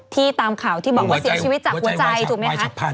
ตามข่าวที่บอกว่าเสียชีวิตจากหัวใจถูกไหมคะ